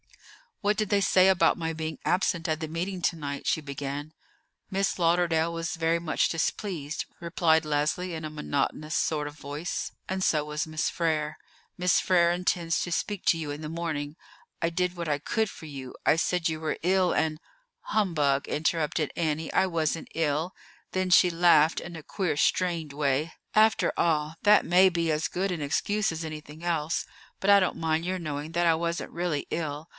"What did they say about my being absent at the meeting to night?" she began. "Miss Lauderdale was very much displeased," replied Leslie in a monotonous sort of voice, "and so was Miss Frere. Miss Frere intends to speak to you in the morning. I did what I could for you. I said you were ill, and——" "Humbug!" interrupted Annie. "I wasn't ill." Then she laughed in a queer, strained way. "After all, that may be as good an excuse as anything else; but I don't mind your knowing that I wasn't really ill.